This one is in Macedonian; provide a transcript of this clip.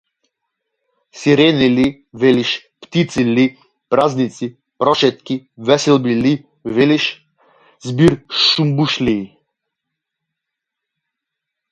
Сирени ли, велиш, птици ли, празници, прошетки, веселби ли велиш, збир џумбушлии?